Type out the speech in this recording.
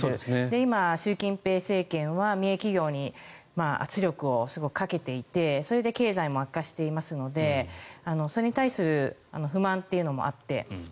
今、習近平政権は民営企業に圧力をすごくかけていてそれで経済も悪化していますのでそれに対する不満というのもあって。